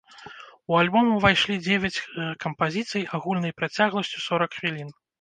У альбом увайшлі дзевяць кампазіцый агульнай працягласцю сорак хвілін.